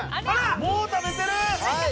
もう食べてる。